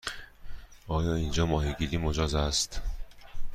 آیا اینجا ماهیگیری مجاز است؟